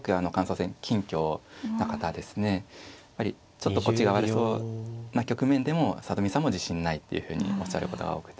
ちょっとこっちが悪そうな局面でも里見さんも自信ないっていうふうにおっしゃることが多くて。